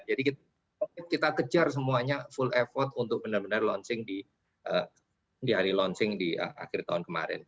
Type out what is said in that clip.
jadi kita kejar semuanya full effort untuk benar benar launching di hari launching di akhir tahun kemarin